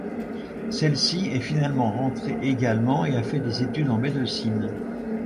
Celle-ci est finalement rentrée également et a fait des études de médecine.